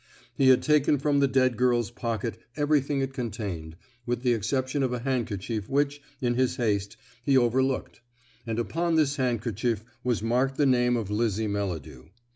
He had taken from the dead girl's pocket everything it contained, with the exception of a handkerchief which, in his haste, he overlooked; and upon this handkerchief was marked the name of Lizzie Melladew.